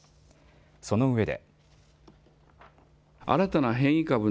そのうえで。